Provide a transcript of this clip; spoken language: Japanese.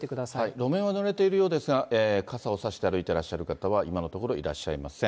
路面は濡れているようですが、傘を差して歩いてらっしゃる方は今のところいらっしゃいません。